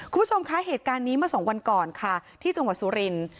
คุณผู้ชมคะเหตุการณ์นี้เมื่อสองวันก่อนค่ะที่จังหวัดสุรินทร์